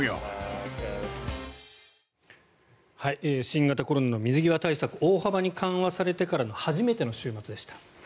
新型コロナの水際対策大幅に緩和されてからの初めての週末でした。